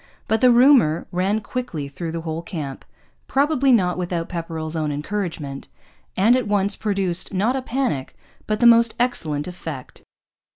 But the rumour ran quickly through the whole camp, probably not without Pepperrell's own encouragement, and at once produced, not a panic, but the most excellent effect.